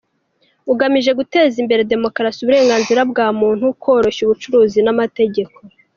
Ugamije guteza imbere demokarasi, uburenganzira bwa muntu, koroshya ubucuruzi n’amategeko.